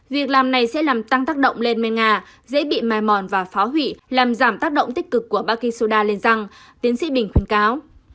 việc làm này sẽ làm tăng tác động lên men ngà dễ bị mài mòn và phá hủy làm giảm tác động tích cực của baking soda lên răng tiến sĩ bình khuyên cáo